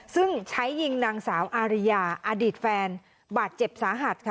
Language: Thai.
ซึ่งใช้ยิงนางสาวอาริยาอดีตแฟนบาดเจ็บสาหัสค่ะ